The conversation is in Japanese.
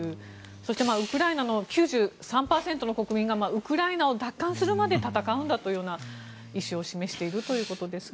そしてウクライナの９３％の国民がウクライナを奪還するまで戦うんだというような意思を示しているということですが。